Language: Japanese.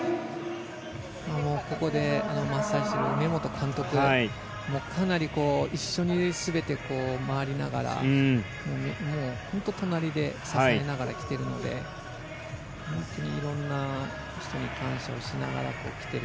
ここでマッサージしている監督も一緒に全て回りながら本当に隣で支えながら来ているので本当に色んな人に感謝をしながら来ている。